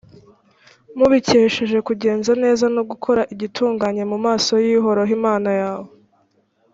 mubikesheje kugenza neza no gukora igitunganye mu maso y’uhoraho imana yawe.